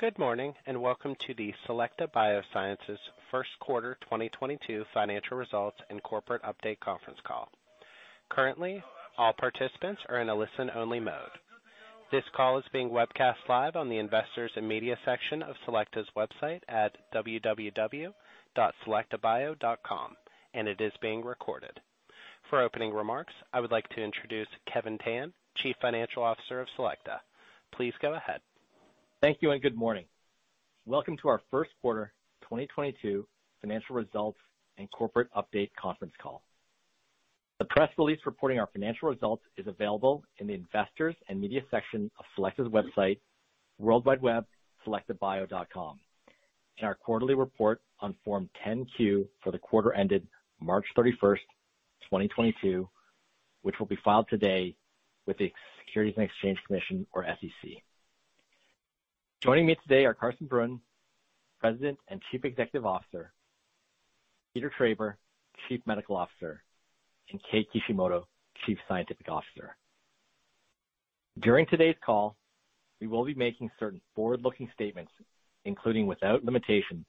Good morning, and welcome to the Selecta Biosciences first quarter 2022 financial results and corporate update conference call. Currently, all participants are in a listen-only mode. This call is being webcast live on the Investors and Media section of Selecta's website at www.selectabio.com, and it is being recorded. For opening remarks, I would like to introduce Kevin Tan, Chief Financial Officer of Selecta. Please go ahead. Thank you and good morning. Welcome to our first quarter 2022 financial results and corporate update conference call. The press release reporting our financial results is available in the Investors and Media section of Selecta's website, www.selectabio.com. Our quarterly report on Form 10-Q for the quarter ended March 31st, 2022, which will be filed today with the Securities and Exchange Commission or SEC. Joining me today are Carsten Brunn, President and Chief Executive Officer, Peter Traber, Chief Medical Officer, and Kei Kishimoto, Chief Scientific Officer. During today's call, we will be making certain forward-looking statements, including, without limitation,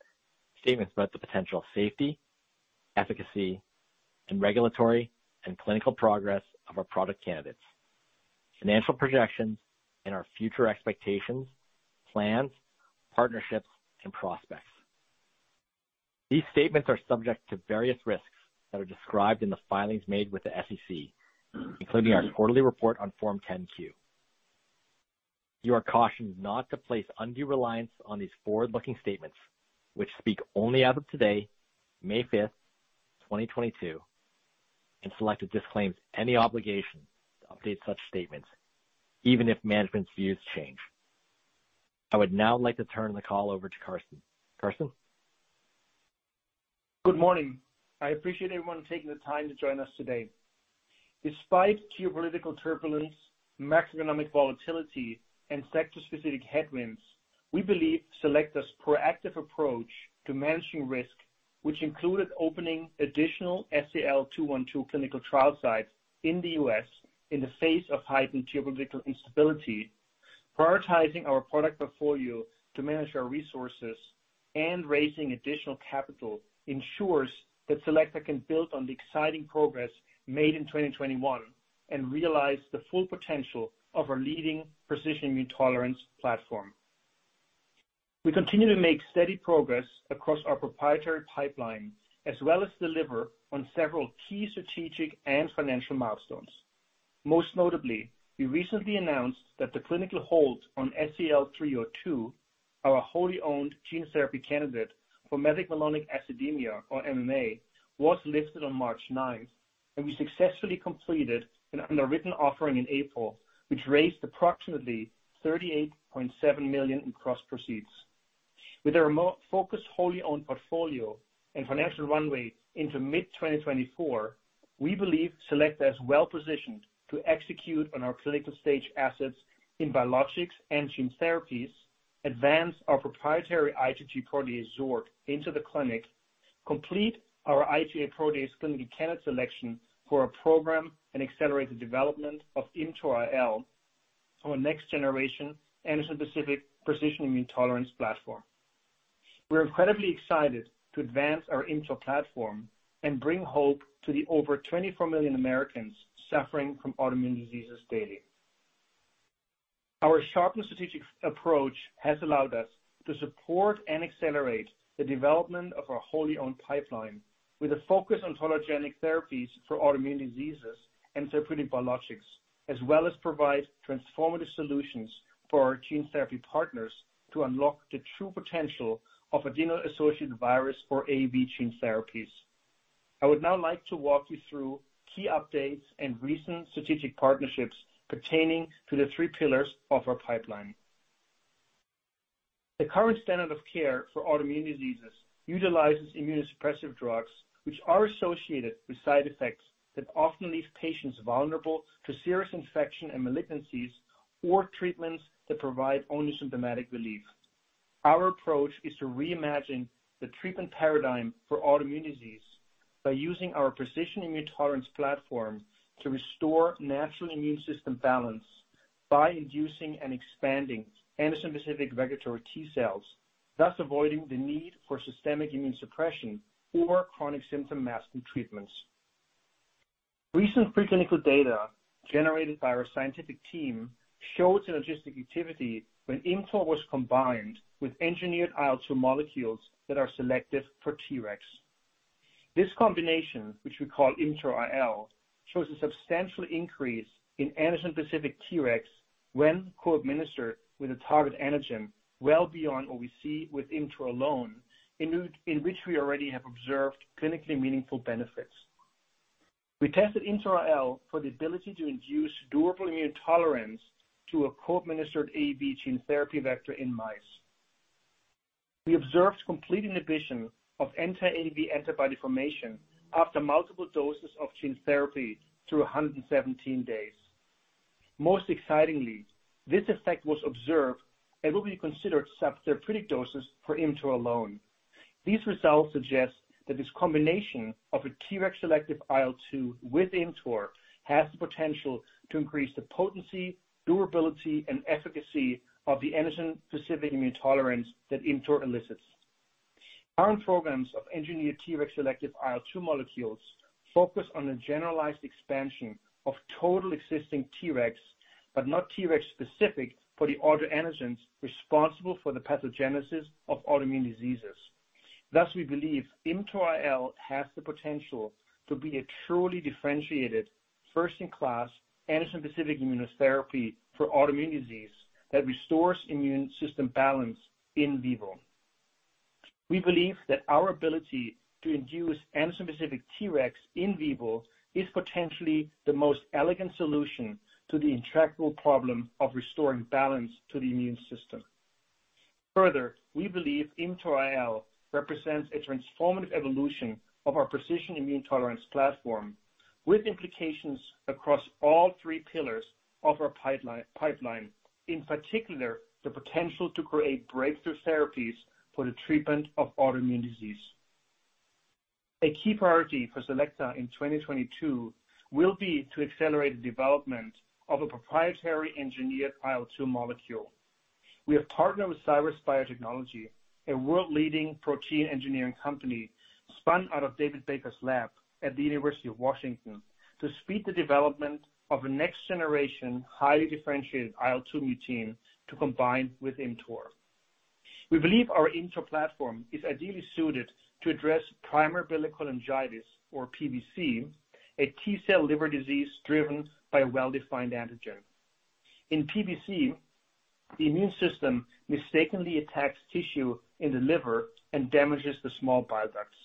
statements about the potential safety, efficacy, and regulatory and clinical progress of our product candidates, financial projections and our future expectations, plans, partnerships, and prospects. These statements are subject to various risks that are described in the filings made with the SEC, including our quarterly report on Form 10-Q. You are cautioned not to place undue reliance on these forward-looking statements which speak only as of today, May 5th, 2022, and Selecta disclaims any obligation to update such statements even if management's views change. I would now like to turn the call over to Carsten. Carsten? Good morning. I appreciate everyone taking the time to join us today. Despite geopolitical turbulence, macroeconomic volatility, and sector-specific headwinds, we believe Selecta's proactive approach to managing risk, which included opening additional SEL-212 clinical trial sites in the U.S. in the face of heightened geopolitical instability, prioritizing our product portfolio to manage our resources, and raising additional capital ensures that Selecta can build on the exciting progress made in 2021, and realize the full potential of our leading precision immune tolerance platform. We continue to make steady progress across our proprietary pipeline, as well as deliver on several key strategic and financial milestones. Most notably, we recently announced that the clinical hold on SEL-302, our wholly owned gene therapy candidate for methylmalonic acidemia or MMA, was lifted on March ninth, and we successfully completed an underwritten offering in April, which raised approximately $38.7 million in gross proceeds. With our modality-focused wholly owned portfolio and financial runway into mid-2024, we believe Selecta is well-positioned to execute on our clinical-stage assets in biologics and gene therapies, advance our proprietary IgG protease Xork into the clinic, complete our IgA protease clinical candidate selection for our program and accelerated development of ImmTOR‑IL for our next-generation antigen-specific precision immune tolerance platform. We're incredibly excited to advance our ImmTOR platform and bring hope to the over 24 million Americans suffering from autoimmune diseases daily. Our sharpened strategic approach has allowed us to support and accelerate the development of our wholly-owned pipeline with a focus on autologous therapies for autoimmune diseases and therapeutic biologics, as well as provide transformative solutions for our gene therapy partners to unlock the true potential of adeno-associated virus or AAV gene therapies. I would now like to walk you through key updates and recent strategic partnerships pertaining to the three pillars of our pipeline. The current standard of care for autoimmune diseases utilizes immunosuppressive drugs which are associated with side effects that often leave patients vulnerable to serious infection and malignancies or treatments that provide only symptomatic relief. Our approach is to reimagine the treatment paradigm for autoimmune disease by using our precision immune tolerance platform to restore natural immune system balance by inducing and expanding antigen-specific regulatory T-cells, thus avoiding the need for systemic immune suppression or chronic symptom masking treatments. Recent preclinical data generated by our scientific team showed synergistic activity when ImmTOR was combined with engineered IL-2 molecules that are selective for Tregs. This combination, which we call ImmTOR‑IL, shows a substantial increase in antigen-specific Tregs when co-administered with a target antigen well beyond what we see with ImmTOR alone, in which we already have observed clinically meaningful benefits. We tested ImmTOR‑IL for the ability to induce durable immune tolerance to a co-administered AAV gene therapy vector in mice. We observed complete inhibition of anti-AAV antibody formation after multiple doses of gene therapy through 117 days. Most excitingly, this effect was observed and will be considered sub-therapeutic doses for ImmTOR alone. These results suggest that this combination of a Treg-selective IL-2 with ImmTOR has the potential to increase the potency, durability, and efficacy of the antigen-specific immune tolerance that ImmTOR elicits. Our programs of engineered Treg-selective IL-2 molecules focus on a generalized expansion of total existing Treg, but not Treg specific for the autoantigens responsible for the pathogenesis of autoimmune diseases. Thus, we believe ImmTOR‑IL has the potential to be a truly differentiated first-in-class antigen-specific immunotherapy for autoimmune disease that restores immune system balance in vivo. We believe that our ability to induce antigen-specific Treg in vivo is potentially the most elegant solution to the intractable problem of restoring balance to the immune system. Further, we believe ImmTOR-IL represents a transformative evolution of our precision immune tolerance platform, with implications across all three pillars of our pipeline, in particular, the potential to create breakthrough therapies for the treatment of autoimmune disease. A key priority for Selecta in 2022 will be to accelerate the development of a proprietary engineered IL-2 molecule. We have partnered with Cyrus Biotechnology, a world leading protein engineering company, spun out of David Baker's lab at the University of Washington, to speed the development of a next generation, highly differentiated IL-2 mutein to combine with ImmTOR. We believe our ImmTOR platform is ideally suited to address primary biliary cholangitis, or PBC, a T-cell liver disease driven by a well-defined antigen. In PBC, the immune system mistakenly attacks tissue in the liver and damages the small bile ducts.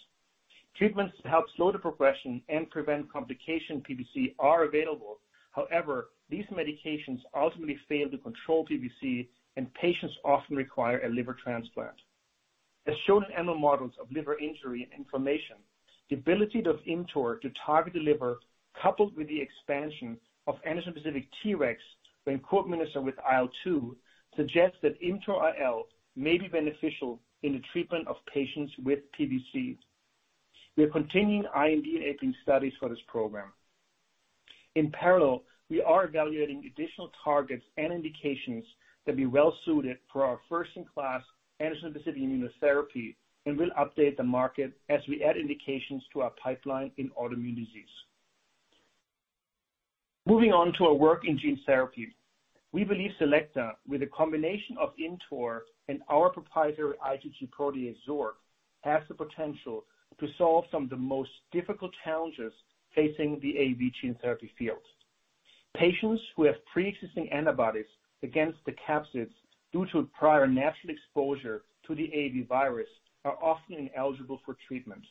Treatments to help slow the progression and prevent complication in PBC are available. However, these medications ultimately fail to control PBC, and patients often require a liver transplant. As shown in animal models of liver injury and inflammation, the ability of ImmTOR to target the liver, coupled with the expansion of antigen-specific Tregs when co-administered with IL-2, suggests that ImmTOR‑IL may be beneficial in the treatment of patients with PBC. We are continuing IND-enabling studies for this program. In parallel, we are evaluating additional targets and indications that'd be well suited for our first in class antigen-specific immunotherapy, and we'll update the market as we add indications to our pipeline in autoimmune disease. Moving on to our work in gene therapy. We believe Selecta, with a combination of ImmTOR and our proprietary IgG protease Xork, has the potential to solve some of the most difficult challenges facing the AAV gene therapy field. Patients who have pre-existing antibodies against the capsids due to prior natural exposure to the AAV virus are often ineligible for treatment.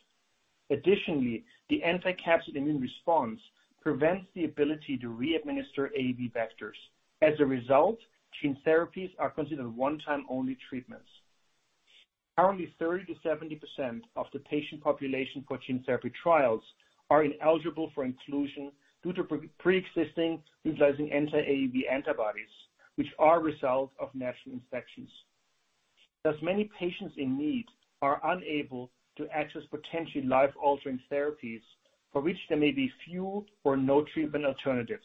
Additionally, the anti-capsid immune response prevents the ability to re-administer AAV vectors. As a result, gene therapies are considered one time only treatments. Currently, 30%-70% of the patient population for gene therapy trials are ineligible for inclusion due to pre-existing neutralizing anti-AAV antibodies, which are a result of natural infections. Thus, many patients in need are unable to access potentially life-altering therapies for which there may be few or no treatment alternatives.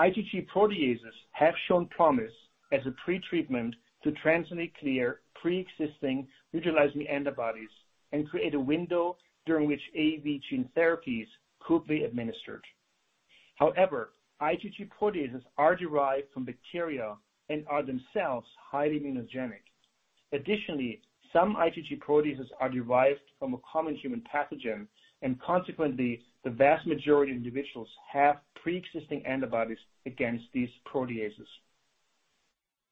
IgG proteases have shown promise as a pre-treatment to transiently clear pre-existing neutralizing antibodies and create a window during which AAV gene therapies could be administered. However, IgG proteases are derived from bacteria and are themselves highly immunogenic. Additionally, some IgG proteases are derived from a common human pathogen, and consequently, the vast majority of individuals have pre-existing antibodies against these proteases.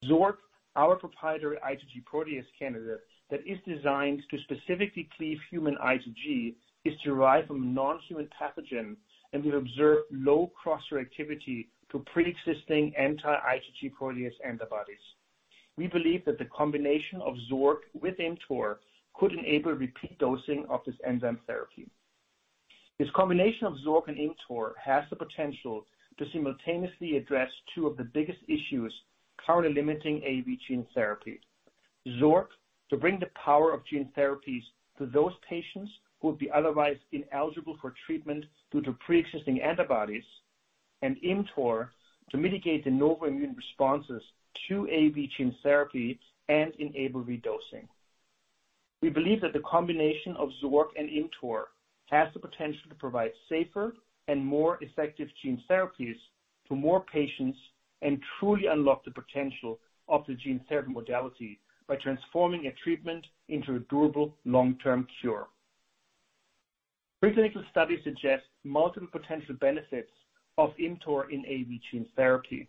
Xork, our proprietary IgG protease candidate that is designed to specifically cleave human IgG, is derived from a non-human pathogen and we observe low cross-reactivity to pre-existing anti-IgG protease antibodies. We believe that the combination of Xork with ImmTOR could enable repeat dosing of this enzyme therapy. This combination of Xork and ImmTOR has the potential to simultaneously address two of the biggest issues currently limiting AAV gene therapy. Xork, to bring the power of gene therapies to those patients who would be otherwise ineligible for treatment due to pre-existing antibodies, and ImmTOR to mitigate the novel immune responses to AAV gene therapy and enable redosing. We believe that the combination of Xork and ImmTOR has the potential to provide safer and more effective gene therapies to more patients and truly unlock the potential of the gene therapy modality by transforming a treatment into a durable long-term cure. Preclinical studies suggest multiple potential benefits of ImmTOR in AAV gene therapy,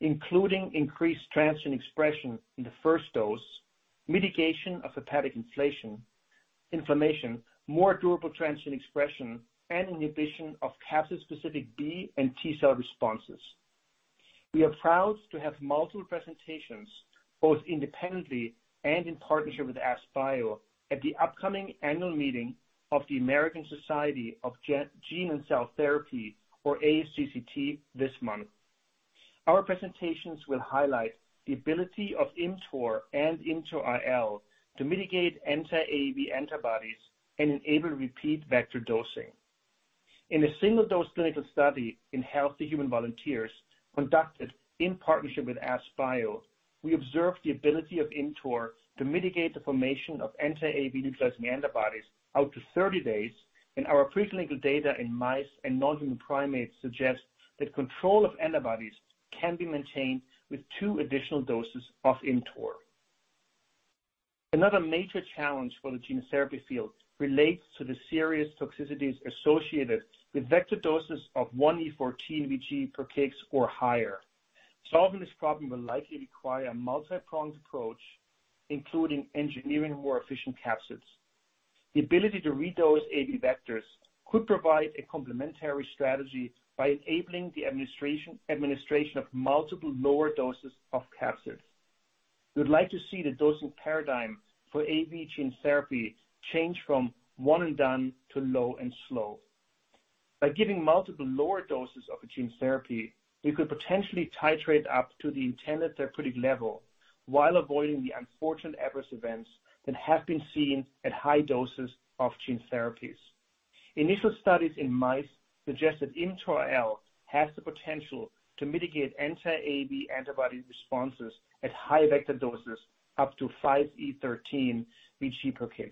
including increased transient expression in the first dose, mitigation of hepatic inflammation, more durable transient expression, and inhibition of capsid-specific B and T cell responses. We are proud to have multiple presentations, both independently and in partnership with AskBio, at the upcoming annual meeting of the American Society of Gene & Cell Therapy, or ASGCT, this month. Our presentations will highlight the ability of ImmTOR and ImmTOR-IL to mitigate anti-AAV antibodies and enable repeat vector dosing. In a single-dose clinical study in healthy human volunteers conducted in partnership with AskBio, we observed the ability of ImmTOR to mitigate the formation of anti-AAV nucleosome antibodies out to 30 days, and our preclinical data in mice and non-human primates suggests that control of antibodies can be maintained with 2 additional doses of ImmTOR. Another major challenge for the gene therapy field relates to the serious toxicities associated with vector doses of 1 × 10¹⁴ vg/kg or higher. Solving this problem will likely require a multipronged approach, including engineering more efficient capsids. The ability to re-dose AAV vectors could provide a complementary strategy by enabling the administration of multiple lower doses of capsids. We would like to see the dosing paradigm for AAV gene therapy change from one and done to low and slow. By giving multiple lower doses of a gene therapy, we could potentially titrate up to the intended therapeutic level while avoiding the unfortunate adverse events that have been seen at high doses of gene therapies. Initial studies in mice suggest that ImmTOR-IL has the potential to mitigate anti-AAV antibody responses at high vector doses up to 5 × 10¹³ vg/kg.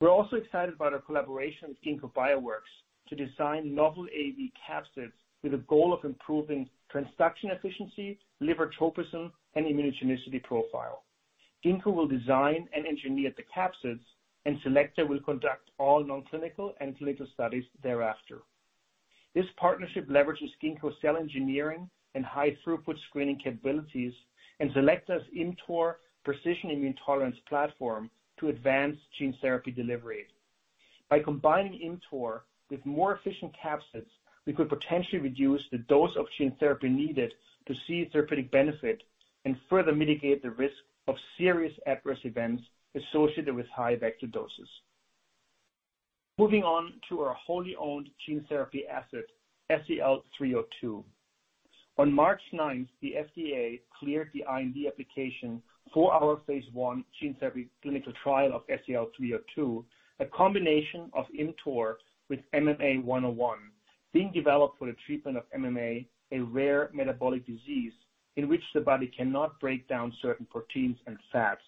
We're also excited about our collaboration with Ginkgo Bioworks to design novel AAV capsids with the goal of improving transduction efficiency, liver tropism, and immunogenicity profile. Ginkgo will design and engineer the capsids, and Selecta will conduct all non-clinical and clinical studies thereafter. This partnership leverages Ginkgo's cell engineering and high-throughput screening capabilities, and Selecta's ImmTOR precision immune tolerance platform to advance gene therapy delivery. By combining ImmTOR with more efficient capsids, we could potentially reduce the dose of gene therapy needed to see therapeutic benefit and further mitigate the risk of serious adverse events associated with high vector doses. Moving on to our wholly owned gene therapy asset, SEL-302. On March 9, the FDA cleared the IND application for our phase I gene therapy clinical trial of SEL-302, a combination of ImmTOR with MMA-101, being developed for the treatment of MMA, a rare metabolic disease in which the body cannot break down certain proteins and fats.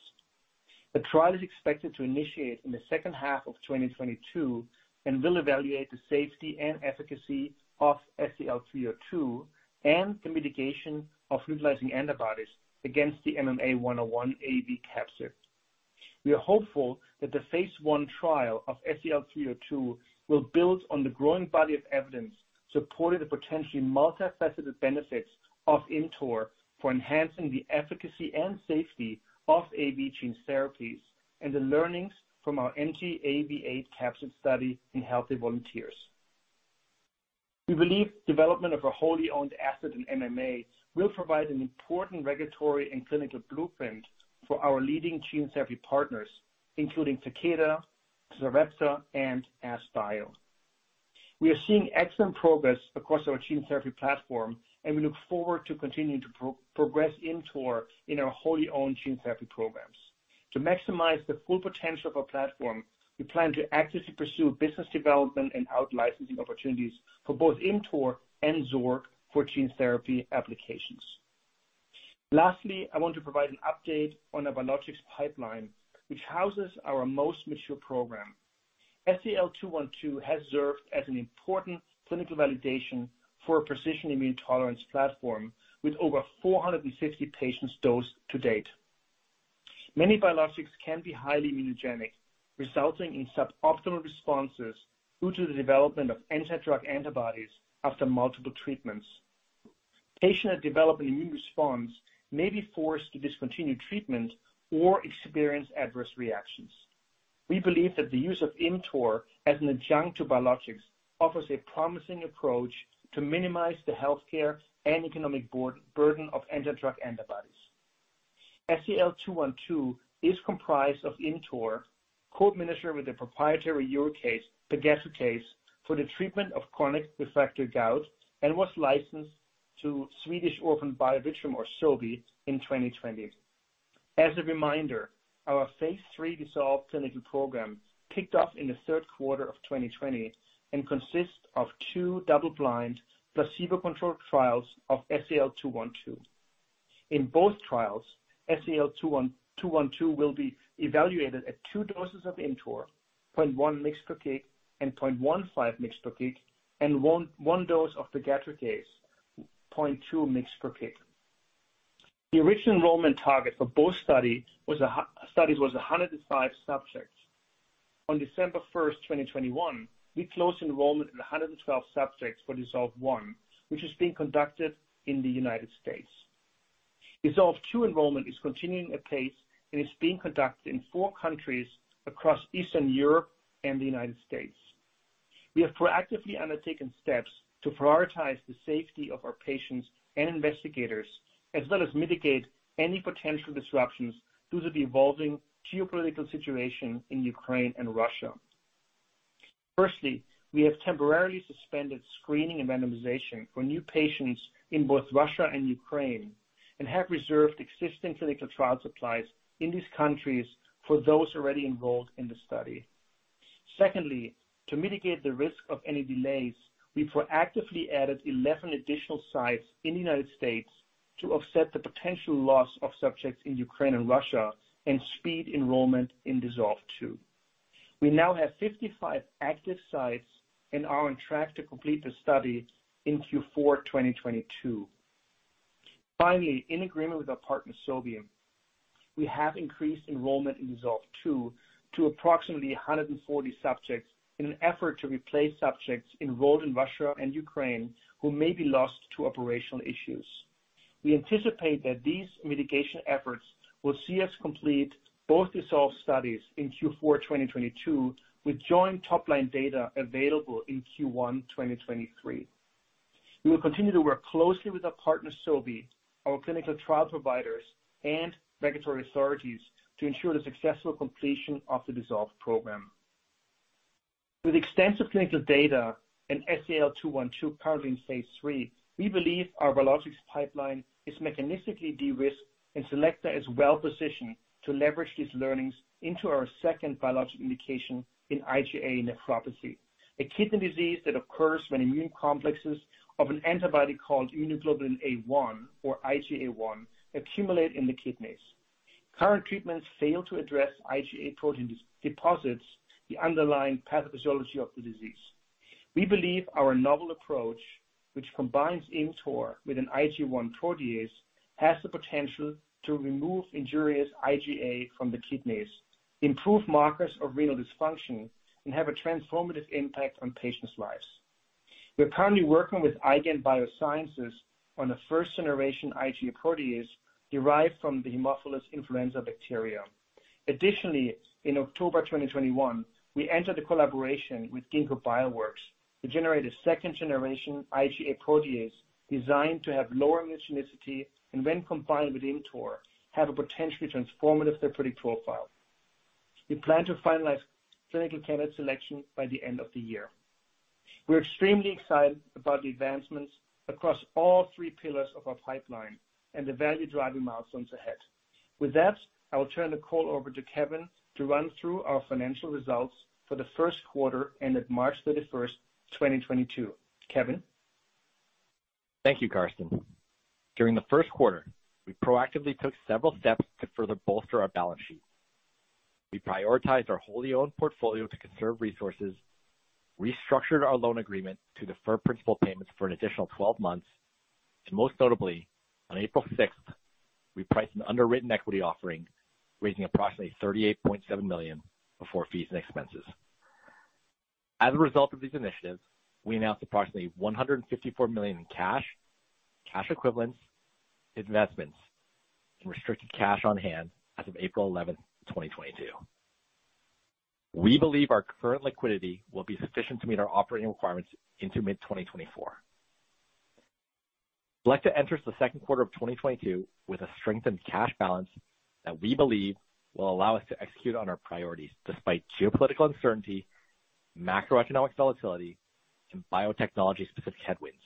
The trial is expected to initiate in the second half of 2022 and will evaluate the safety and efficacy of SEL-302 and the mitigation of neutralizing antibodies against the MMA-101 AAV capsid. We are hopeful that the phase I trial of SEL-302 will build on the growing body of evidence supporting the potentially multifaceted benefits of ImmTOR for enhancing the efficacy and safety of AAV gene therapies and the learnings from our anti-AAV8 capsid study in healthy volunteers. We believe development of a wholly owned asset in MMA will provide an important regulatory and clinical blueprint for our leading gene therapy partners, including Takeda, Sarepta, and AskBio. We are seeing excellent progress across our gene therapy platform, and we look forward to continuing to progress ImmTOR in our wholly owned gene therapy programs. To maximize the full potential of our platform, we plan to actively pursue business development and out-licensing opportunities for both ImmTOR and Xork for gene therapy applications. Lastly, I want to provide an update on our biologics pipeline, which houses our most mature program. SEL-212 has served as an important clinical validation for a precision immune tolerance platform with over 450 patients dosed to date. Many biologics can be highly immunogenic, resulting in suboptimal responses due to the development of anti-drug antibodies after multiple treatments. Patients that develop an immune response may be forced to discontinue treatment or experience adverse reactions. We believe that the use of ImmTOR as an adjunct to biologics offers a promising approach to minimize the healthcare and economic burden of anti-drug antibodies. SEL-212 is comprised of ImmTOR, co-administered with a proprietary uricase, pegadricase, for the treatment of chronic refractory gout, and was licensed to Swedish Orphan Biovitrum, or Sobi, in 2020. As a reminder, our phase III DISSOLVE clinical program kicked off in the third quarter of 2020 and consists of two double-blind, placebo-controlled trials of SEL-212. In both trials, SEL-212 will be evaluated at two doses of ImmTOR, 0.1 mg/kg and 0.15 mg/kg, and one dose of pegadricase, 0.2 mg/kg. The original enrollment target for both studies was 105 subjects. On December 1st 2021, we closed enrollment at 112 subjects for DISSOLVE I, which is being conducted in the United States. DISSOLVE II enrollment is continuing apace and is being conducted in four countries across Eastern Europe and the United States. We have proactively undertaken steps to prioritize the safety of our patients and investigators, as well as mitigate any potential disruptions due to the evolving geopolitical situation in Ukraine and Russia. Firstly, we have temporarily suspended screening and randomization for new patients in both Russia and Ukraine, and have reserved existing clinical trial supplies in these countries for those already enrolled in the study. Secondly, to mitigate the risk of any delays, we proactively added 11 additional sites in the United States to offset the potential loss of subjects in Ukraine and Russia and speed enrollment in DISSOLVE II. We now have 55 active sites and are on track to complete the study in Q4 2022. Finally, in agreement with our partner Sobi, we have increased enrollment in DISSOLVE II to approximately 140 subjects in an effort to replace subjects enrolled in Russia and Ukraine who may be lost to operational issues. We anticipate that these mitigation efforts will see us complete both DISSOLVE studies in Q4 2022, with joint top-line data available in Q1 2023. We will continue to work closely with our partner Sobi, our clinical trial providers, and regulatory authorities to ensure the successful completion of the DISSOLVE program. With extensive clinical data and SEL-212 currently in phase III, we believe our biologics pipeline is mechanistically de-risked, and Selecta is well-positioned to leverage these learnings into our second biologic indication in IgA nephropathy, a kidney disease that occurs when immune complexes of an antibody called immunoglobulin A1 or IgA1 accumulate in the kidneys. Current treatments fail to address IgA protein de-deposits, the underlying pathophysiology of the disease. We believe our novel approach, which combines ImmTOR with an IgA1 protease, has the potential to remove injurious IgA from the kidneys, improve markers of renal dysfunction, and have a transformative impact on patients' lives. We are currently working with Idun Pharmaceuticals on the first-generation IgA protease derived from the Haemophilus influenzae bacteria. Additionally, in October 2021, we entered a collaboration with Ginkgo Bioworks to generate a second-generation IgA protease designed to have lower immunogenicity, and when combined with ImmTOR, have a potentially transformative therapeutic profile. We plan to finalize clinical candidate selection by the end of the year. We're extremely excited about the advancements across all three pillars of our pipeline and the value-driving milestones ahead. With that, I will turn the call over to Kevin to run through our financial results for the first quarter ended March 31st, 2022. Kevin? Thank you, Carsten Brunn. During the first quarter, we proactively took several steps to further bolster our balance sheet. We prioritized our wholly owned portfolio to conserve resources, restructured our loan agreement to defer principal payments for an additional 12 months, and most notably, on April 6th, we priced an underwritten equity offering, raising approximately $38.7 million before fees and expenses. As a result of these initiatives, we announced approximately $154 million in cash equivalents, investments, and restricted cash on hand as of April 11th, 2022. We believe our current liquidity will be sufficient to meet our operating requirements into mid-2024. Selecta enters the second quarter of 2022 with a strengthened cash balance that we believe will allow us to execute on our priorities despite geopolitical uncertainty, macroeconomic volatility, and biotechnology-specific headwinds.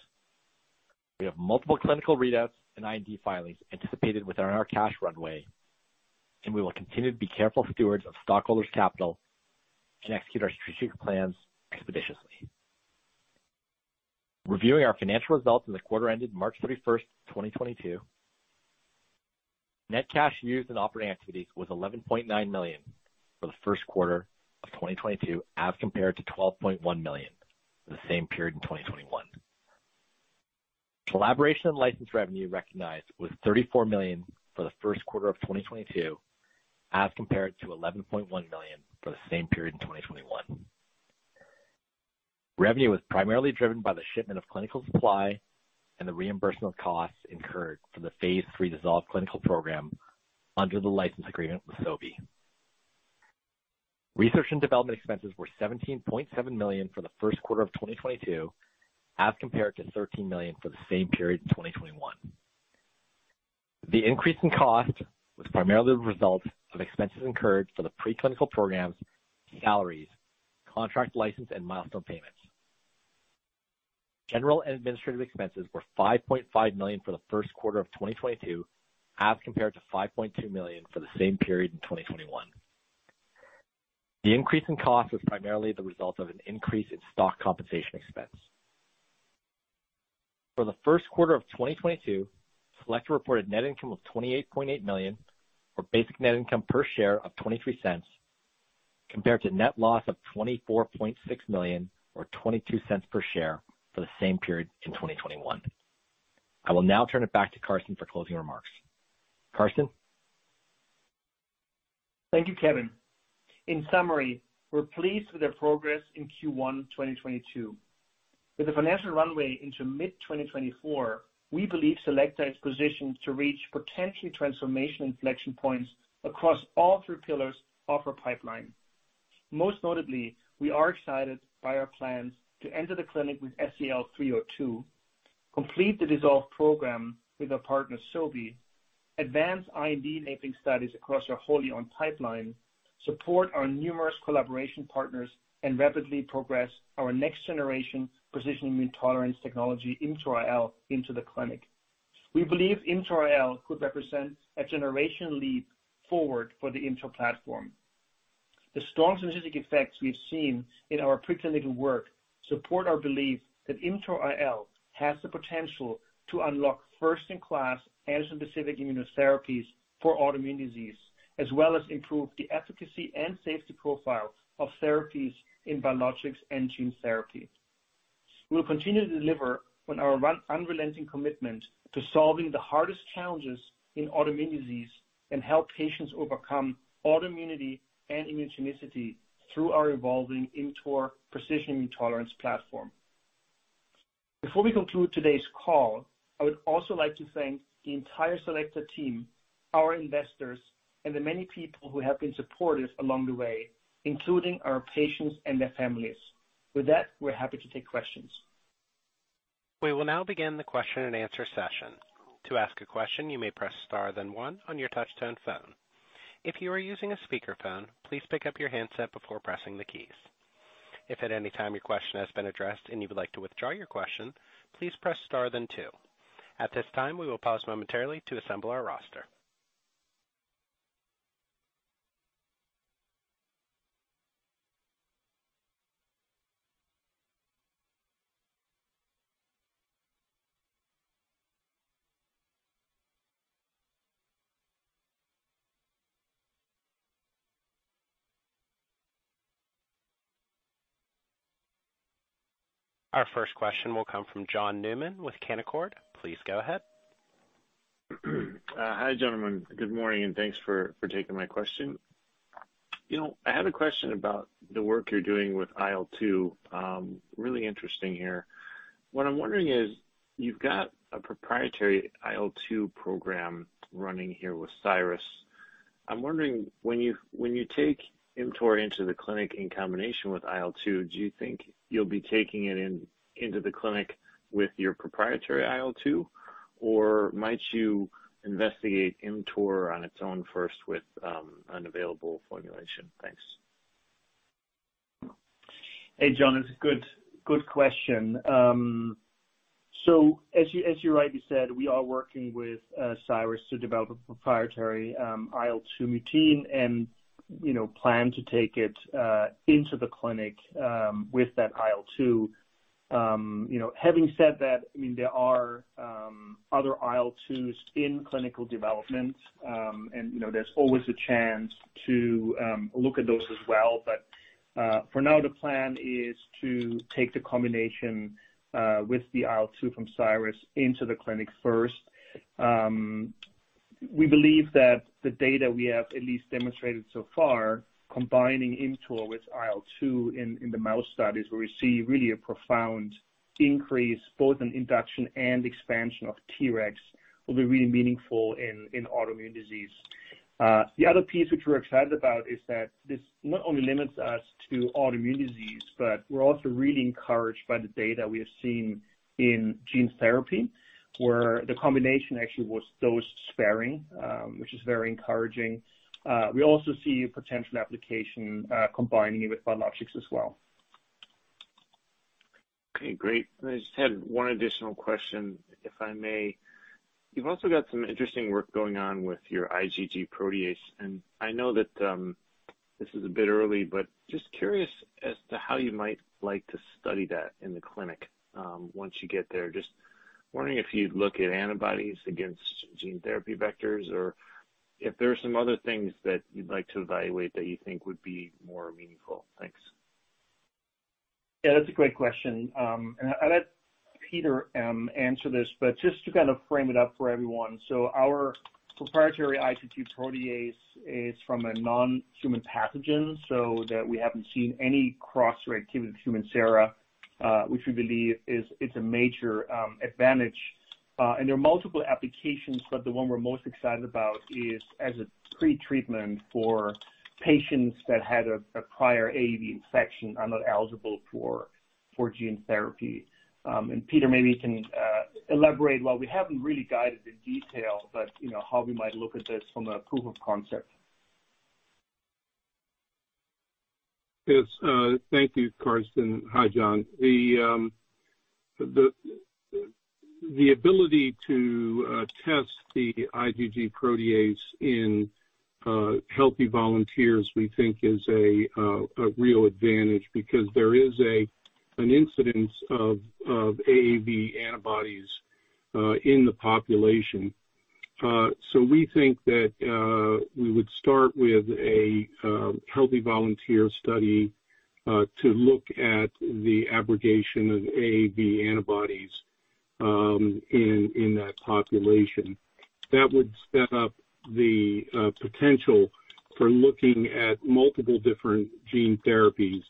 We have multiple clinical readouts and IND filings anticipated within our cash runway, and we will continue to be careful stewards of stockholders' capital and execute our strategic plans expeditiously. Reviewing our financial results in the quarter ended March 31st, 2022. Net cash used in operating activities was $11.9 million for the first quarter of 2022, as compared to $12.1 million for the same period in 2021. Collaboration and license revenue recognized was $34 million for the first quarter of 2022, as compared to $11.1 million for the same period in 2021. Revenue was primarily driven by the shipment of clinical supply and the reimbursement of costs incurred for the phase III DISSOLVE clinical program under the license agreement with Sobi. Research and development expenses were $17.7 million for the first quarter of 2022, as compared to $13 million for the same period in 2021. The increase in cost was primarily the result of expenses incurred for the pre-clinical programs, salaries, contract license, and milestone payments. General and administrative expenses were $5.5 million for the first quarter of 2022, as compared to $5.2 million for the same period in 2021. The increase in cost was primarily the result of an increase in stock compensation expense. For the first quarter of 2022, Selecta reported net income of $28.8 million, or basic net income per share of $0.23, compared to net loss of $24.6 million or $0.22 per share for the same period in 2021. I will now turn it back to Carsten for closing remarks. Carsten? Thank you, Kevin. In summary, we're pleased with our progress in Q1 2022. With a financial runway into mid-2024, we believe Selecta is positioned to reach potentially transformational inflection points across all three pillars of our pipeline. Most notably, we are excited by our plans to enter the clinic with SEL-302, complete the DISSOLVE program with our partner, Sobi, advance IMD mapping studies across our whole pipeline, support our numerous collaboration partners, and rapidly progress our next generation precision immune tolerance technology, ImmTOR-IL, into the clinic. We believe ImmTOR-IL could represent a generation leap forward for the ImmTOR platform. The strong synergistic effects we've seen in our pre-clinical work support our belief that ImmTOR-IL has the potential to unlock first-in-class antigen-specific immunotherapies for autoimmune disease, as well as improve the efficacy and safety profile of therapies in biologics and gene therapy. We'll continue to deliver on our unrelenting commitment to solving the hardest challenges in autoimmune disease and help patients overcome autoimmunity and immunogenicity through our evolving ImmTOR precision tolerance platform. Before we conclude today's call, I would also like to thank the entire Selecta team, our investors, and the many people who have been supportive along the way, including our patients and their families. With that, we're happy to take questions. We will now begin the question-and-answer session. To ask a question, you may press star then one on your touch-tone phone. If you are using a speakerphone, please pick up your handset before pressing the keys. If at any time your question has been addressed and you would like to withdraw your question, please press star then two. At this time, we will pause momentarily to assemble our roster. Our first question will come from John Newman with Canaccord. Please go ahead. Hi, gentlemen. Good morning, and thanks for taking my question. You know, I had a question about the work you're doing with IL-2. Really interesting here. What I'm wondering is, you've got a proprietary IL-2 program running here with Cyrus. I'm wondering, when you take ImmTOR into the clinic in combination with IL-2, do you think you'll be taking it into the clinic with your proprietary IL-2? Or might you investigate ImmTOR on its own first with an available formulation? Thanks. Hey, John. It's a good question. So as you rightly said, we are working with Cyrus to develop a proprietary IL-2 mutein and, you know, plan to take it into the clinic with that IL-2. You know, having said that, I mean, there are other IL-2s in clinical development and you know, there's always a chance to look at those as well. For now, the plan is to take the combination with the IL-2 from Cyrus into the clinic first. We believe that the data we have at least demonstrated so far, combining ImmTOR with IL-2 in the mouse studies, where we see really a profound increase both in induction and expansion of Tregs, will be really meaningful in autoimmune disease. The other piece which we're excited about is that this not only limits us to autoimmune disease, but we're also really encouraged by the data we have seen in gene therapy, where the combination actually was dose-sparing, which is very encouraging. We also see potential application combining it with biologics as well. Okay, great. I just had one additional question, if I may. You've also got some interesting work going on with your IgG protease, and I know that, this is a bit early, but just curious as to how you might like to study that in the clinic, once you get there. Just wondering if you'd look at antibodies against gene therapy vectors, or if there are some other things that you'd like to evaluate that you think would be more meaningful. Thanks. Yeah, that's a great question, and I'll let Peter answer this, but just to kind of frame it up for everyone. Our proprietary IgG protease is from a non-human pathogen, so that we haven't seen any cross-reactivity with human sera, which we believe is a major advantage. There are multiple applications, but the one we're most excited about is as a pre-treatment for patients that had a prior AAV infection are not eligible for gene therapy. Peter, maybe you can elaborate. Well, we haven't really guided the detail, but you know how we might look at this from a proof of concept. Yes. Thank you, Carsten. Hi, John. The ability to test the IgG protease in healthy volunteers, we think is a real advantage because there is an incidence of AAV antibodies in the population. We think that we would start with a healthy volunteer study to look at the abrogation of AAV antibodies in that population. That would set up the potential for looking at multiple different gene therapies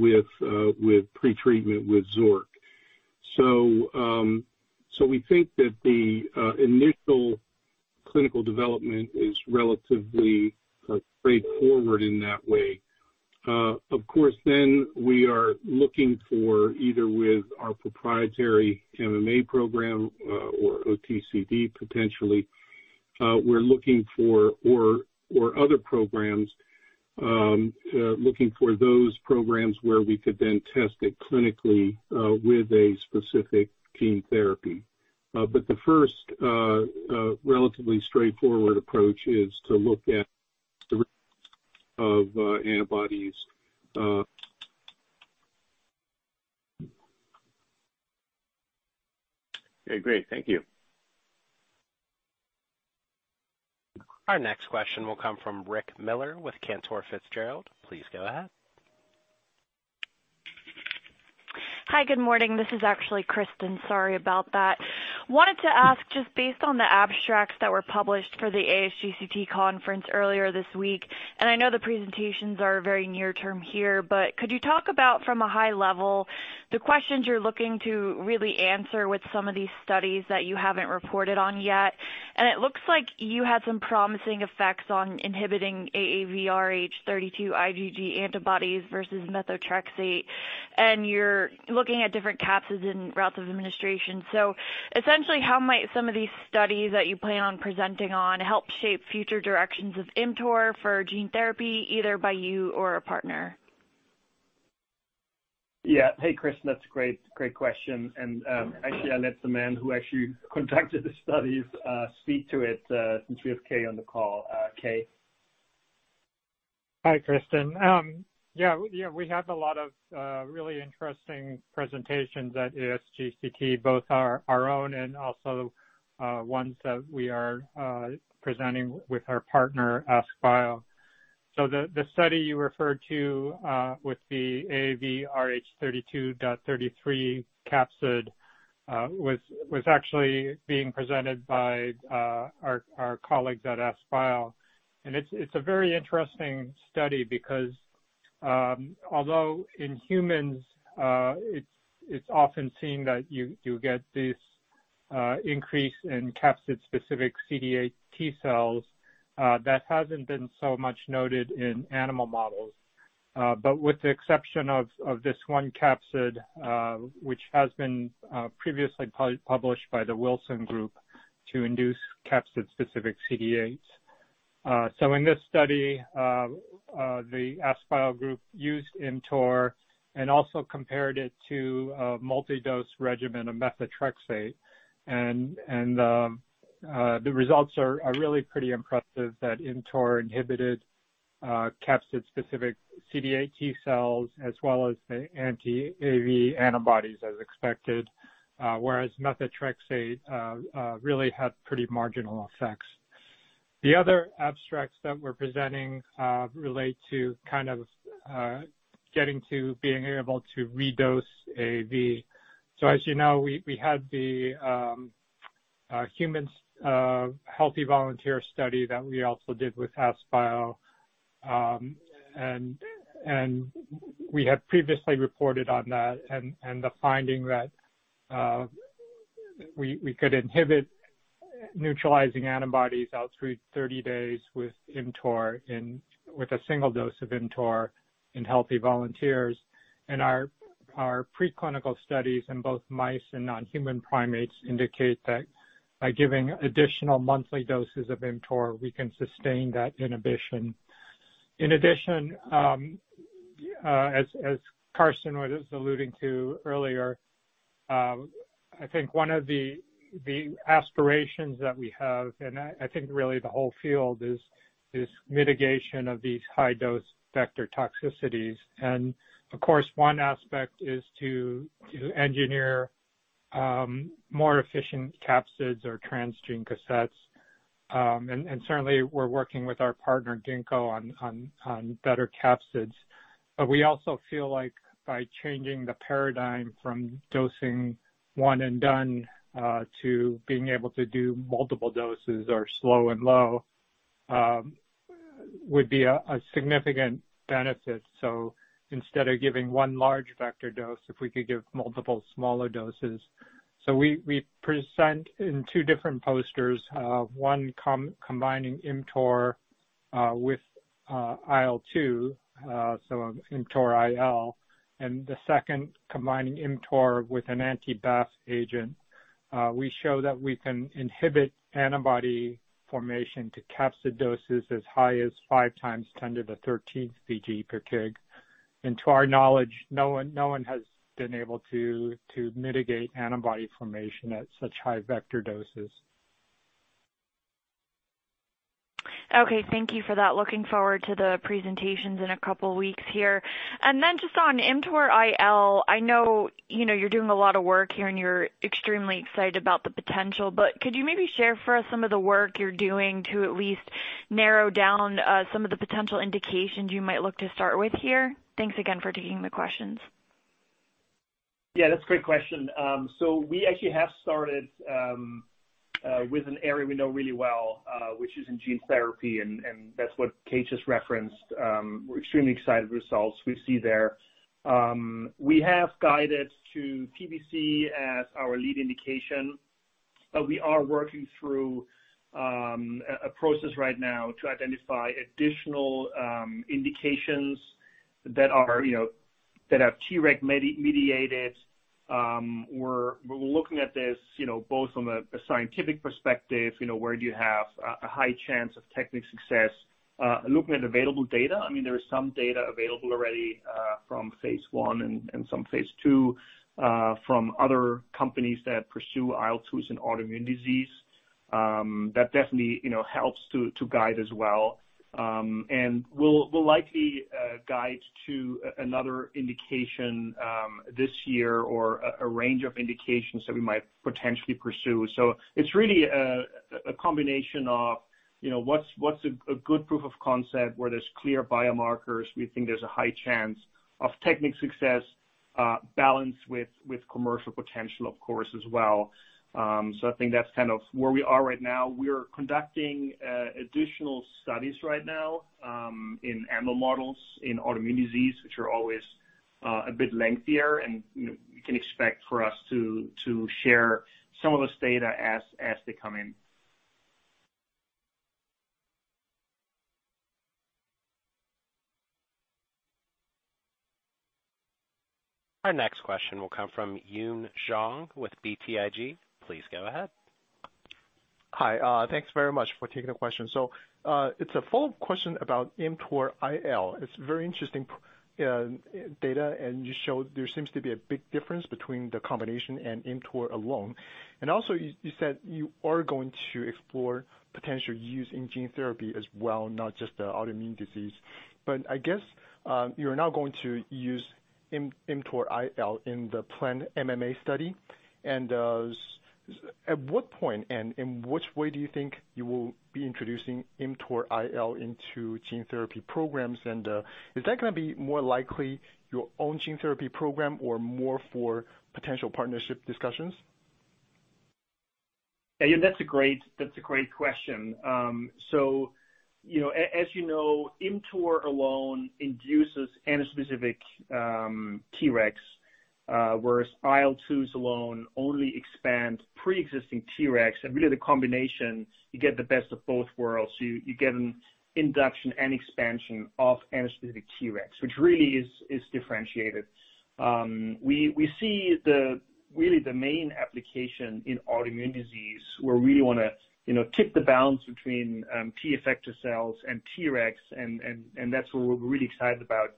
with pre-treatment with Xork. We think that the initial clinical development is relatively straightforward in that way. Of course, then we are looking for either with our proprietary MMA program or OTCD potentially or other programs, looking for those programs where we could then test it clinically with a specific gene therapy. The first relatively straightforward approach is to look at antibodies. Okay, great. Thank you. Our next question will come from Rick Miller with Cantor Fitzgerald. Please go ahead. Hi. Good morning. This is actually Kristen. Sorry about that. Wanted to ask just based on the abstracts that were published for the ASGCT conference earlier this week, and I know the presentations are very near term here, but could you talk about from a high level, the questions you're looking to really answer with some of these studies that you haven't reported on yet? It looks like you had some promising effects on inhibiting AAVrh32.33 IgG antibodies versus methotrexate, and you're looking at different capsids and routes of administration. Essentially, how might some of these studies that you plan on presenting on help shape future directions of ImmTOR for gene therapy, either by you or a partner? Yeah. Hey, Kristen. That's a great question, and actually, I'll let the man who actually conducted the studies speak to it, since we have Kei on the call. Kei. Hi, Kristen. Yeah, we have a lot of really interesting presentations at ASGCT, both our own and also ones that we are presenting with our partner, AskBio. The study you referred to with the AAVrh32.33 capsid was actually being presented by our colleagues at AskBio. It's a very interesting study because although in humans it's often seen that you get this increase in capsid-specific CD8 T cells that hasn't been so much noted in animal models. With the exception of this one capsid which has been previously published by the Wilson Group to induce capsid-specific CD8. In this study the AskBio group used ImmTOR and also compared it to a multi-dose regimen of methotrexate. The results are really pretty impressive that ImmTOR inhibited capsid-specific CD8 T cells as well as the anti-AAV antibodies as expected. Whereas methotrexate really had pretty marginal effects. The other abstracts that we're presenting relate to kind of getting to being able to redose AAV. As you know, we had the healthy volunteer study that we also did with AskBio, and we had previously reported on that and the finding that we could inhibit neutralizing antibodies out through 30 days with IMTOR with a single dose of IMTOR in healthy volunteers. Our preclinical studies in both mice and non-human primates indicate that by giving additional monthly doses of ImmTOR, we can sustain that inhibition. In addition, as Carsten was alluding to earlier, I think one of the aspirations that we have, and I think really the whole field is mitigation of these high-dose vector toxicities. Of course, one aspect is to engineer more efficient capsids or transgene cassettes. Certainly we're working with our partner, Ginkgo, on better capsids. We also feel like by changing the paradigm from dosing one and done to being able to do multiple doses or slow and low would be a significant benefit, so instead of giving one large vector dose, if we could give multiple smaller doses. We present in two different posters, one combining IMTOR with IL-2, so IMTOR-IL, and the second combining ImmTOR with an anti-BAFF agent. We show that we can inhibit antibody formation to capsid doses as high as 5 × 10¹³ vg/kg. To our knowledge, no one has been able to mitigate antibody formation at such high vector doses. Okay. Thank you for that. Looking forward to the presentations in a couple of weeks here. Just on ImmTOR-IL, I know, you know, you're doing a lot of work here and you're extremely excited about the potential, but could you maybe share for us some of the work you're doing to at least narrow down some of the potential indications you might look to start with here? Thanks again for taking the questions. Yeah, that's a great question. We actually have started with an area we know really well. Which is in gene therapy, and that's what Kei just referenced. We're extremely excited with results we see there. We have guided to PBC as our lead indication, but we are working through a process right now to identify additional indications that are, you know, Treg-mediated. We're looking at this, you know, both from a scientific perspective, you know, where do you have a high chance of technical success? Looking at available data, I mean, there is some data available already from phase I and some phase II from other companies that pursue IL-2s in autoimmune disease. That definitely, you know, helps to guide as well. We'll likely guide to another indication this year or a range of indications that we might potentially pursue. It's really a combination of, you know, what's a good proof of concept where there's clear biomarkers. We think there's a high chance of technical success, balanced with commercial potential of course, as well. I think that's kind of where we are right now. We are conducting additional studies right now in animal models in autoimmune disease, which are always a bit lengthier and, you know, you can expect for us to share some of this data as they come in. Our next question will come from Yun Zhong with BTIG. Please go ahead. Hi. Thanks very much for taking the question. It's a full question about ImmTOR-IL. It's very interesting data, and you showed there seems to be a big difference between the combination and ImmTOR alone. Also you said you are going to explore potential use in gene therapy as well, not just the autoimmune disease. I guess you're now going to use ImmTOR-IL in the planned MMA study. At what point and in which way do you think you will be introducing ImmTOR-IL into gene therapy programs? Is that gonna be more likely your own gene therapy program or more for potential partnership discussions? Yeah, that's a great question. So, you know, as you know, ImmTOR alone induces antigen-specific Tregs, whereas IL-2 alone only expand pre-existing Tregs. Really the combination, you get the best of both worlds. You get an induction and expansion of antigen-specific Tregs, which really is differentiated. We see, really, the main application in autoimmune disease, where we wanna, you know, tip the balance between T-effector cells and Tregs and that's what we're really excited about.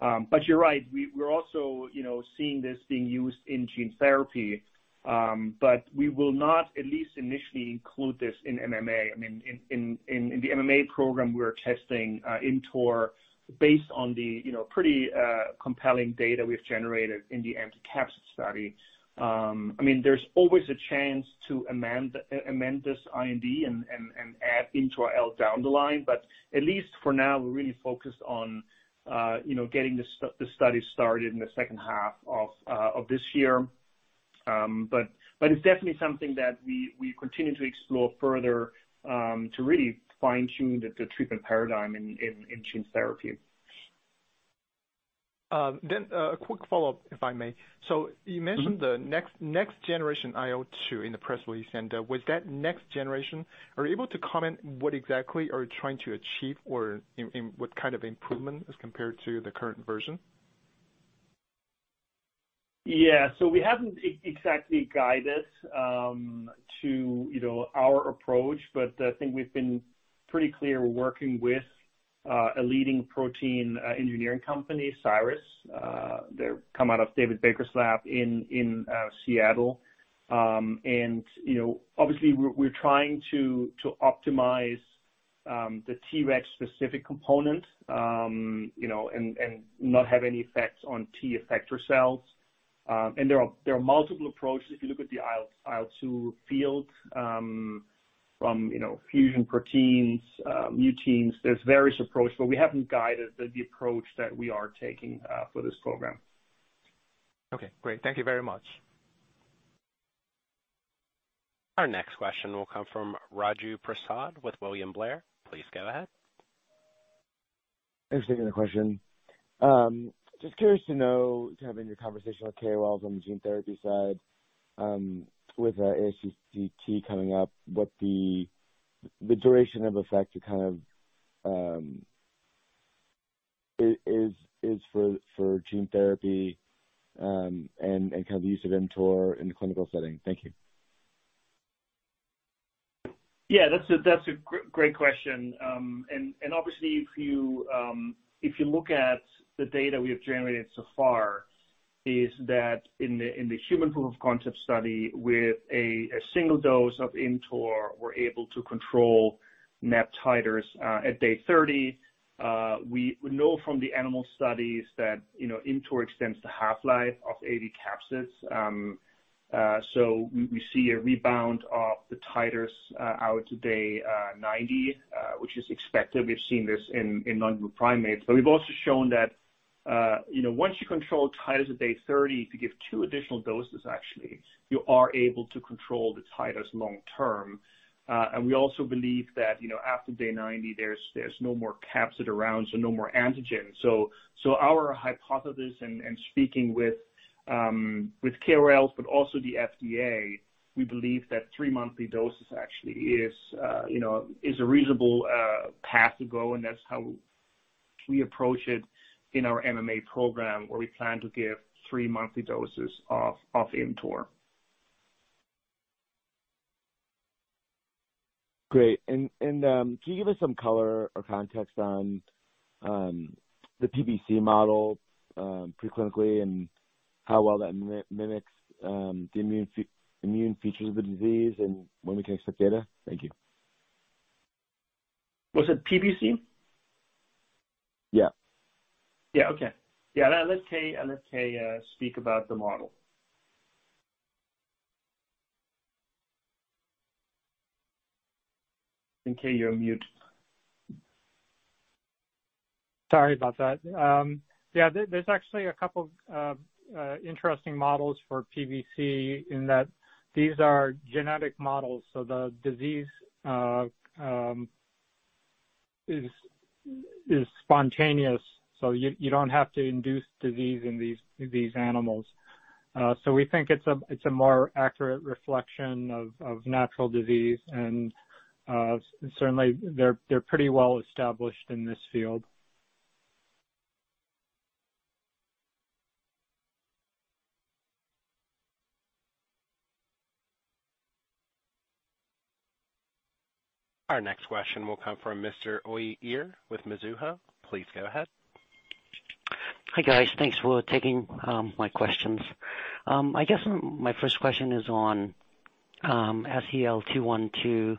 But you're right, we're also, you know, seeing this being used in gene therapy. But we will not, at least initially, include this in MMA. I mean, in the MMA program we're testing ImmTOR based on the, you know, pretty compelling data we've generated in the anti-capsid study. I mean, there's always a chance to amend this IND and add ImmTOR-IL down the line, but at least for now, we're really focused on, you know, getting the study started in the second half of this year. It's definitely something that we continue to explore further, to really fine-tune the treatment paradigm in gene therapy. A quick follow-up, if I may. Mm-hmm. You mentioned the next generation IL-2 in the press release. With that next generation, are you able to comment what exactly are you trying to achieve or what kind of improvement as compared to the current version? Yeah. We haven't exactly guided to our approach, but I think we've been pretty clear. We're working with a leading protein engineering company, Cyrus. They come out of David Baker's lab in Seattle. You know, obviously we're trying to optimize the Treg specific component, you know, and not have any effects on T-effector cells. There are multiple approaches. If you look at the IL-2 field, you know, from fusion proteins, muteins, there's various approaches, but we haven't guided the approach that we are taking for this program. Okay, great. Thank you very much. Our next question will come from Raju Prasad with William Blair. Please go ahead. Thanks for taking the question. Just curious to know, kind of in your conversation with KOLs on the gene therapy side, with ASGCT coming up, what the duration of effect to kind of is for gene therapy, and kind of the use of ImmTOR in the clinical setting. Thank you. Yeah, that's a great question. Obviously, if you look at the data we have generated so far, is that in the human proof of concept study with a single dose of ImmTOR, we're able to control NAb titers at day 30. We know from the animal studies that ImmTOR extends the half-life of AAV capsids. So we see a rebound of the titers out to day 90. Which is expected. We've seen this in non-human primates, but we've also shown that once you control titers at day 30, if you give two additional doses, actually, you are able to control the titers long term. We also believe that after day 90, there's no more capsid around, so no more antigen. Our hypothesis and speaking with KOLs but also the FDA, we believe that three monthly doses actually is, you know, a reasonable path to go, and that's how we approach it in our MMA program, where we plan to give three monthly doses of ImmTOR. Great. Can you give us some color or context on the PBC model preclinically and how well that mimics the immune features of the disease and when we can expect data? Thank you. Was it PBC? Yeah. Okay. I'll let Kei speak about the model. Kei, you're on mute. Sorry about that. Yeah, there's actually a couple of interesting models for PBC in that these are genetic models, so the disease is spontaneous, so you don't have to induce disease in these animals. So we think it's a more accurate reflection of natural disease and certainly they're pretty well established in this field. Our next question will come from Mr. Uy Ear with Mizuho. Please go ahead. Hi, guys. Thanks for taking my questions. I guess my first question is on SEL-212.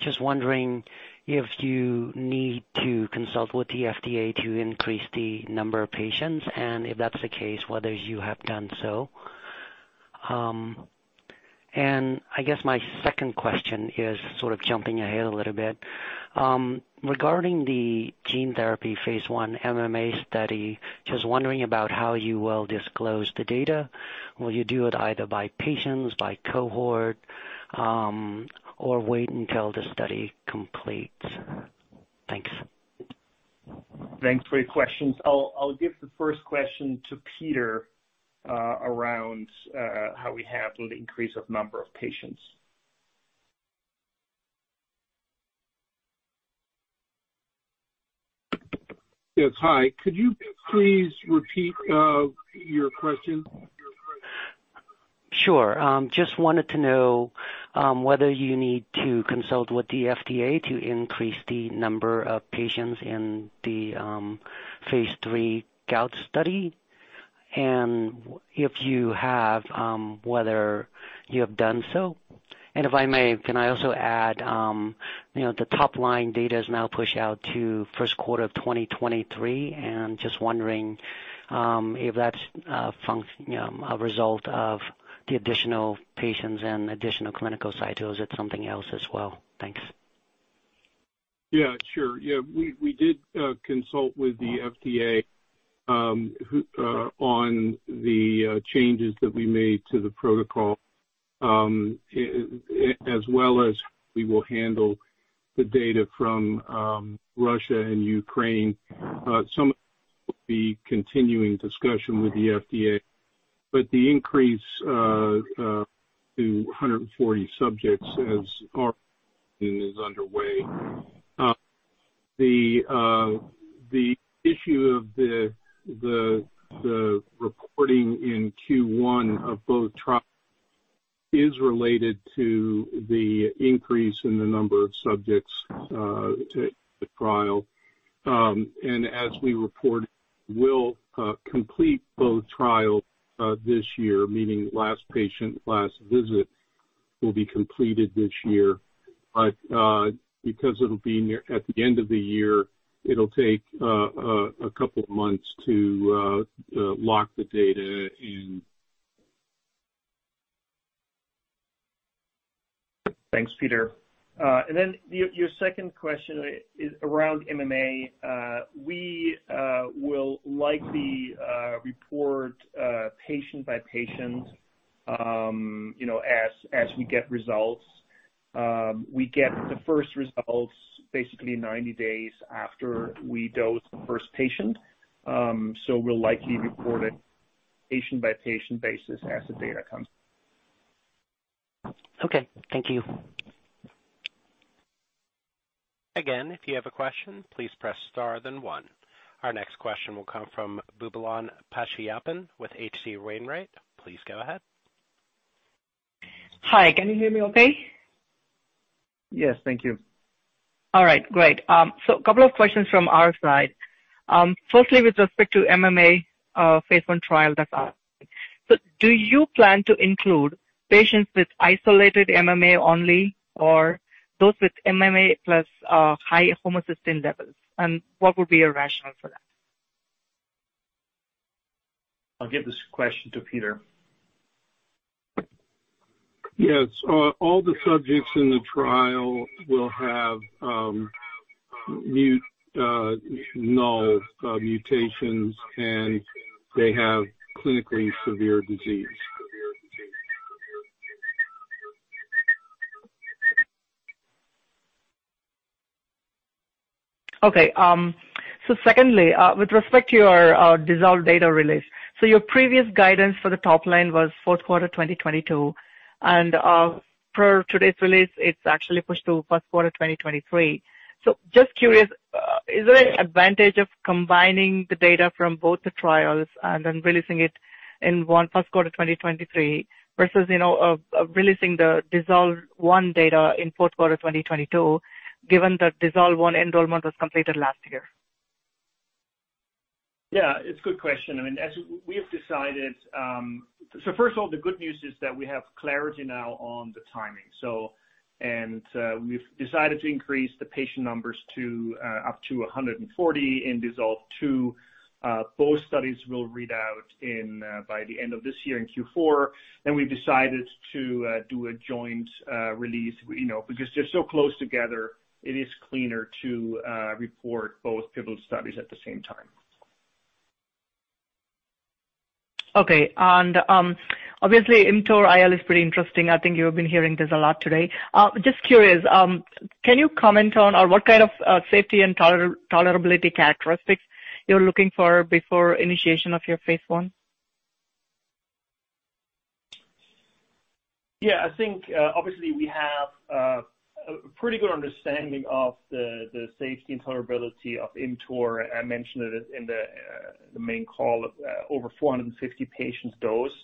Just wondering if you need to consult with the FDA to increase the number of patients, and if that's the case, whether you have done so. I guess my second question is sort of jumping ahead a little bit. Regarding the gene therapy phase I MMA study, just wondering about how you will disclose the data. Will you do it either by patients, by cohort, or wait until the study completes? Thanks. Thanks for your questions. I'll give the first question to Peter around how we handle the increase of number of patients. Yes. Hi. Could you please repeat your question? Sure. Just wanted to know whether you need to consult with the FDA to increase the number of patients in the phase III gout study. Whether you have done so. If I may, can I also add, you know, the top line data is now pushed out to first quarter of 2023, and just wondering if that's a result of the additional patients and additional clinical sites, or is it something else as well? Thanks. Yeah, sure. Yeah. We did consult with the FDA on the changes that we made to the protocol, as well as we will handle the data from Russia and Ukraine. We'll be continuing discussion with the FDA. The increase to 140 subjects is underway. The issue of the reporting in Q1 of both trials is related to the increase in the number of subjects in the trial. As we reported, we'll complete both trials this year, meaning last patient, last visit will be completed this year. Because it'll be near the end of the year, it'll take a couple of months to lock the data and. Thanks, Peter. Your second question is around MMA. We will likely report patient by patient, you know, as we get results. We get the first results basically 90 days after we dose the first patient. We'll likely report it patient by patient basis as the data comes. Okay. Thank you. Again, if you have a question, please press Star then one. Our next question will come from Swayampakula Ramakanth with H.C. Wainwright. Please go ahead. Hi. Can you hear me okay? Yes. Thank you. All right. Great. A couple of questions from our side. Firstly, with respect to MMA, phase I trial that's out. Do you plan to include patients with isolated MMA only or those with MMA plus high homocysteine levels? What would be your rationale for that? I'll give this question to Peter. Yes. All the subjects in the trial will have null mutations, and they have clinically severe disease. Secondly, with respect to your DISSOLVE data release, your previous guidance for the top line was fourth quarter 2022, and per today's release, it's actually pushed to first quarter 2023. Just curious, is there any advantage of combining the data from both the trials and then releasing it in one first quarter 2023 versus, you know, releasing the DISSOLVE I data in fourth quarter of 2022 given that DISSOLVE I enrollment was completed last year? Yeah, it's a good question. I mean, as we have decided. First of all, the good news is that we have clarity now on the timing. We've decided to increase the patient numbers to up to 140 in DISSOLVE II. Both studies will read out by the end of this year in Q4. Then we've decided to do a joint release, you know, because they're so close together. It is cleaner to report both pivotal studies at the same time. Obviously ImmTOR-IL is pretty interesting. I think you've been hearing this a lot today. Just curious, can you comment on or what kind of safety and tolerability characteristics you're looking for before initiation of your phase I? Yeah. I think obviously we have a pretty good understanding of the safety and tolerability of ImmTOR. I mentioned it in the main call over 450 patients dosed.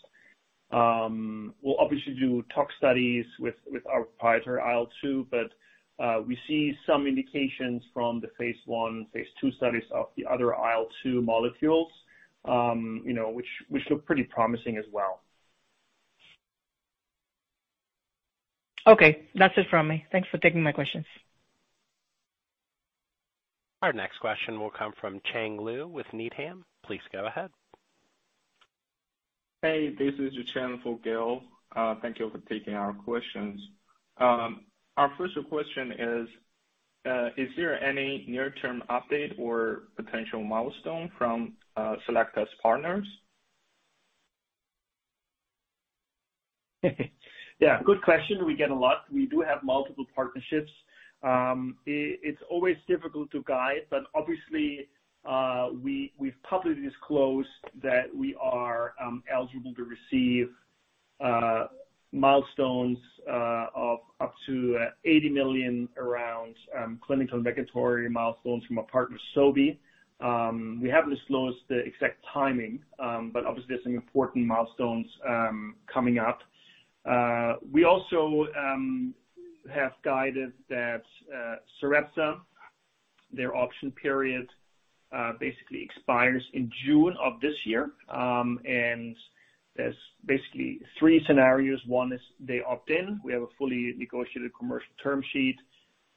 We'll obviously do tox studies with our proprietary IL-2, but we see some indications from the phase I, phase II studies of the other IL-2 molecules, you know, which look pretty promising as well. Okay. That's it from me. Thanks for taking my questions. Our next question will come from Gil Blum with Needham. Please go ahead. Hey, this is Gil Blum. Thank you for taking our questions. Our first question is there any near-term update or potential milestone from Selecta's partners? Yeah, good question. We get a lot. We do have multiple partnerships. It's always difficult to guide, but obviously, we've publicly disclosed that we are eligible to receive milestones of up to $80 million around clinical investigatory milestones from our partner, Sobi. We haven't disclosed the exact timing, but obviously there's some important milestones coming up. We also have guided that Sarepta, their option period basically expires in June of this year. There's basically three scenarios. One is they opt-in. We have a fully negotiated commercial term sheet.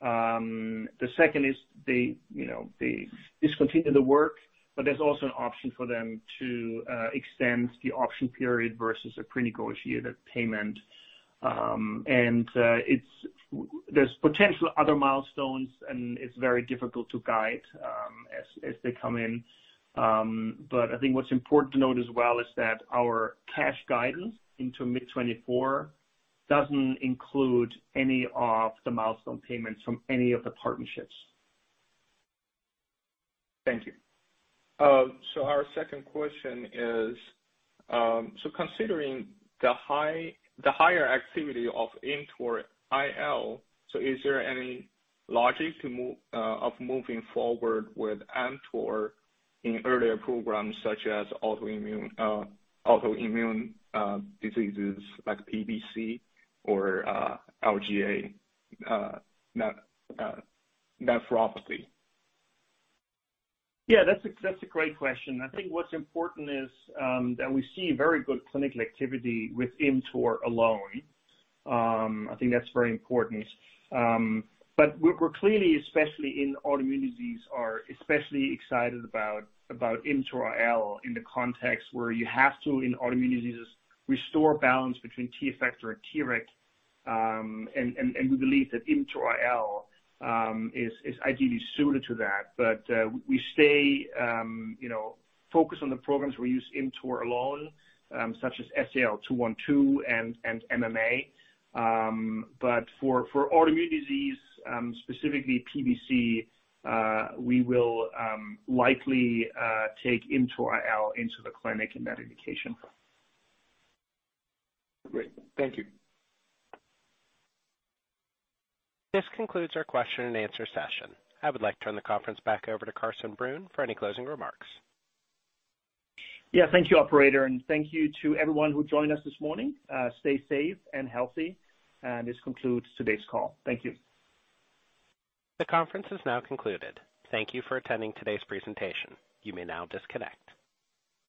The second is they, you know, they discontinue the work, but there's also an option for them to extend the option period versus a pre-negotiated payment. There's potential other milestones, and it's very difficult to guide as they come in. I think what's important to note as well is that our cash guidance into mid-2024 doesn't include any of the milestone payments from any of the partnerships. Thank you. Considering the higher activity of ImmTOR-IL, is there any logic to moving forward with ImmTOR in earlier programs such as autoimmune diseases like PBC or IgA nephropathy? Yeah, that's a great question. I think what's important is that we see very good clinical activity with alone. I think that's very important. But we're clearly, especially in autoimmune disease, are especially excited about ImmTOR-IL in the context where you have to, in autoimmune diseases, restore balance between T-effector and Treg, and we believe that ImmTOR-IL is ideally suited to that. But we stay, you know, focused on the programs we use ImmTOR alone, such as SEL-212 and MMA. But for autoimmune disease, specifically PBC, we will likely take ImmTOR-IL into the clinic in that indication. Great. Thank you. This concludes our question and answer session. I would like to turn the conference back over to Carsten Brunn for any closing remarks. Yeah. Thank you, operator, and thank you to everyone who joined us this morning. Stay safe and healthy. This concludes today's call. Thank you. The conference is now concluded. Thank you for attending today's presentation. You may now disconnect.